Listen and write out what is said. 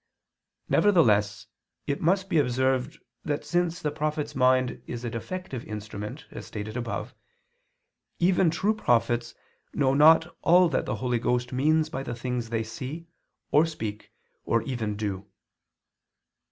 Nevertheless it must be observed that since the prophet's mind is a defective instrument, as stated above, even true prophets know not all that the Holy Ghost means by the things they see, or speak, or even do.